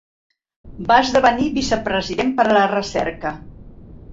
Va esdevenir vicepresident per a la recerca.